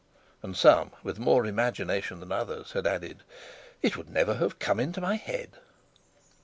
and some, with more imagination than others, had added: "It would never have come into my head!"